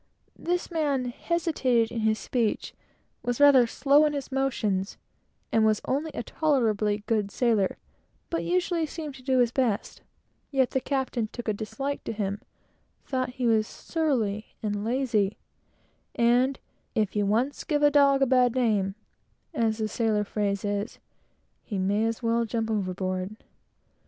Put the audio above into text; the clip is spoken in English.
This man hesitated in his speech, and was rather slow in his motions, but was a pretty good sailor, and always seemed to do his best; but the captain took a dislike to him, thought he was surly, and lazy; and "if you once give a dog a bad name" as the sailor phrase is "he may as well jump overboard."